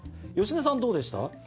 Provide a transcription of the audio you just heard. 芳根さんどうでした？